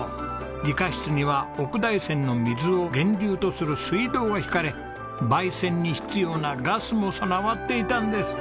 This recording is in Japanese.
理科室には奥大山の水を源流とする水道が引かれ焙煎に必要なガスも備わっていたんです。